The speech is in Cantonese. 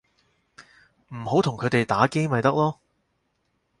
唔好同佢哋打機咪得囉